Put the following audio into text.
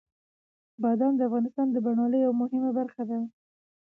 بادام د افغانستان د بڼوالۍ یوه مهمه برخه ده.